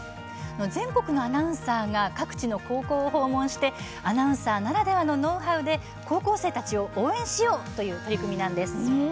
全国のアナウンサーが各地の高校を訪問してアナウンサーならではのノウハウで高校生たちを応援しようという取り組みなんです。